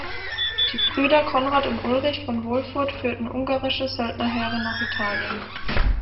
Die Brüder Konrad und Ulrich von Wolfurt führten ungarische Söldnerheere nach Italien.